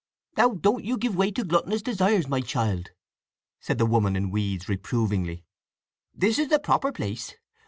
"Now, don't you give way to gluttonous desires, my child," said the woman in weeds reprovingly. "This is the proper place.